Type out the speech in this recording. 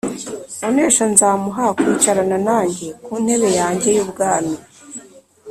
Unesha nzamuha kwicarana nanjye ku ntebe yanjye y’ubwami,